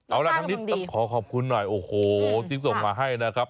เอาละทางนี้ขอขอบคุณหน่อยลิ้งส่งมาให้นะครับ